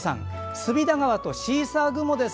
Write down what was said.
隅田川とシーサー雲です。